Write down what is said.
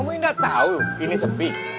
kamu tidak tahu ini sepi